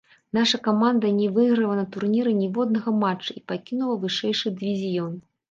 Наша каманда не выйграла на турніры ніводнага матча і пакінула вышэйшы дывізіён.